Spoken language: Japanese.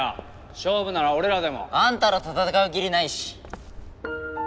勝負なら俺らでも。あんたらと戦う義理ないし。